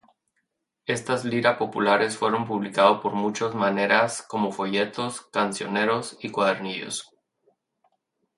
Estas Lira populares fueron publicado por muchos maneras como folletos, cancioneros y cuadernillos.